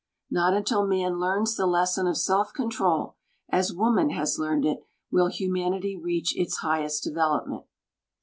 Not until man learns the lesson of self control, as woman has learned it, will humanity reach its highest development.